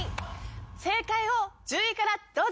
正解を１０位からどうぞ！